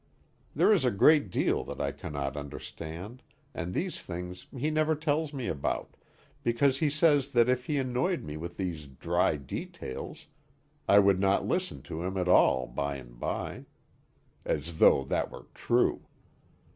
There is a great deal that I cannot understand, and these things he never tells me about, because he says that if he annoyed me with these dry details, I would not listen to him at all by and bye. As though that were true!